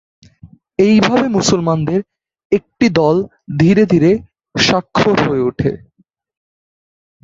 এইভাবে মুসলমানদের একটি দল ধীরে ধীরে সাক্ষর হয়ে ওঠে।